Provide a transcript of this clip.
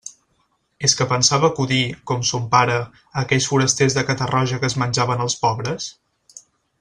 És que pensava acudir, com son pare, a aquells forasters de Catarroja que es menjaven els pobres?